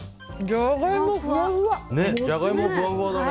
ジャガイモ、ふわふわだね。